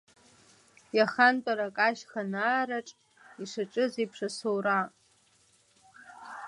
Иахантәарак ашьха наараҿ, ишаҿыз еиԥш асоура!